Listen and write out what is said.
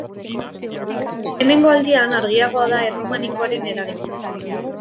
Lehenengo aldian argiagoa da erromanikoaren eragina.